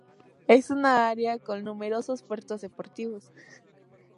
Es un área con numerosos puertos deportivos.